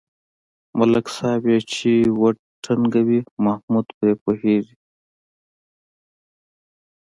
ملک صاحب یې چې و ټنگوي محمود پرې پوهېږي.